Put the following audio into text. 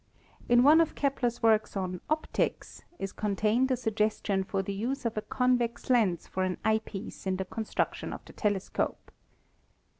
In one of Kepler's works on "Optics" is contained a suggestion for the use of a convex lens for an eye piece in the construc tion of the telescope.